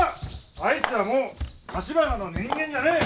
あいつはもう橘の人間じゃねえ。